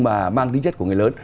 mà mang tính chất của người lớn